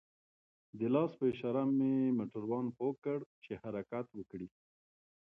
د لاس په اشاره مې موټروان پوه كړ چې حركت وكړي.